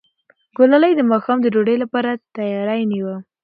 ګلالۍ د ماښام د ډوډۍ لپاره تیاری نیوه.